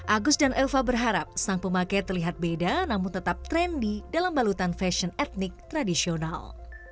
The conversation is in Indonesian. agus dan elva berharap sang pemakai terlihat beda namun tetap trendy dalam balutan fashion etnik tradisional